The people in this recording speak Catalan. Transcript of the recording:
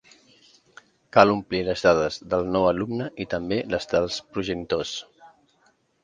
Cal omplir les dades del nou alumne i també les dels progenitors.